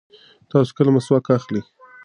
تاسو کله مسواک اخلئ؟